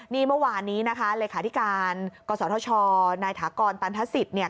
นี่เมื่อวานนี้นะคะเลขาธิการกศธชนายถากรตันทศิษย์เนี่ย